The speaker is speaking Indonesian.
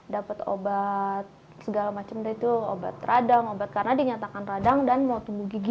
dapat obat segala macam itu obat radang obat karena dinyatakan radang dan mau tumbuh gigi